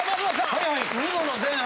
はいはい。